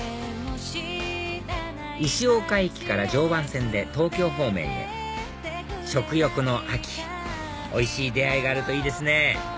石岡駅から常磐線で東京方面へ食欲の秋おいしい出会いがあるといいですね